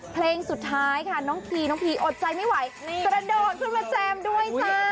เพลงสุดท้ายค่ะน้องพีน้องพีอดใจไม่ไหวกระโดดขึ้นมาแจมด้วยจ้า